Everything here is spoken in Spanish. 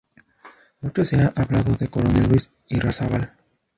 Mucho se ha hablado del Coronel Luis Irrazábal.